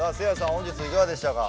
本日いかがでしたか？